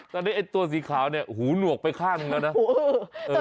ตอนนี้ตัวสีขาวเนี่ยหูหนวกไปข้างแล้วนะเออ